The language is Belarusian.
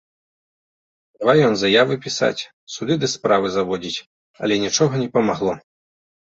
Давай ён заявы пісаць, суды ды справы заводзіць, але нічога не памагло.